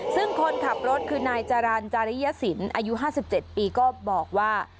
ซึ่งคนขับรถคือนายจรรย์จาริยสินอายุ๕๗ปีก็บอกว่า